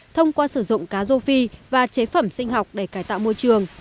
thông qua sử dụng cá rô phi và chế phẩm sinh học để cải tạo môi trường